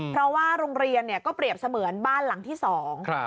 เพราะว่าโรงเรียนเนี่ยก็เปรียบเสมือนบ้านหลังที่สอง